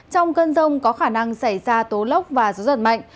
trong cơn rông có khả năng xảy ra tố lốc và gió giật mạnh